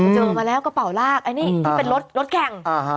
เจอมาแล้วกระเป๋าลากไอ้นี่เป็นรถแข่ง